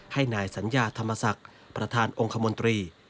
ให้นายสัญญาธรรมศักดิ์ประธานองค์คมนตรี